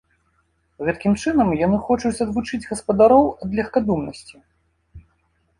Гэткім чынам яны хочуць адвучыць гаспадароў ад легкадумнасці.